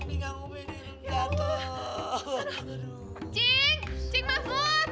bang bisa uji atau enggak